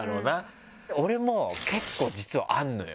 俺も結構実はあるのよ。